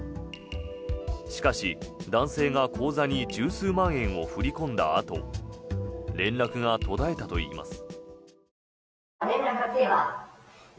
しかし、男性が口座に１０数万円を振り込んだあと連絡が途絶えたといいます。